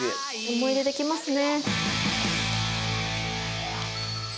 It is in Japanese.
思い出できますね。